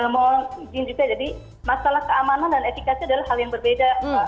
mohon izin juga jadi masalah keamanan dan etikasi adalah hal yang berbeda